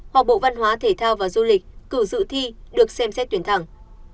hoặc bộ văn hóa thể thao và du lịch cử dự thi được xem xét tuyển thẳng